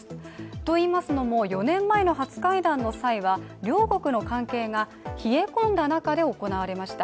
といいますのも４年前の初会談の際は両国の関係が冷え込んだ中で行われました。